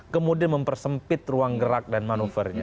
kemudian mempersempit ruang gerak dan manuvernya